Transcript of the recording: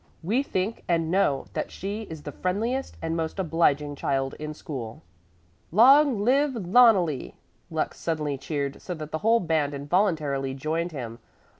We think and know that she is the friendliest and most obliging child in school." "Long live Loneli!" Lux suddenly cheered so that the whole band involuntarily joined him.